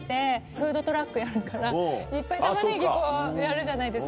フードトラックやるからいっぱいタマネギこうやるじゃないですか。